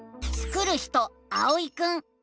スクる人あおいくん。